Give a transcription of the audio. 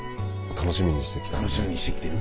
楽しみにしてきてる。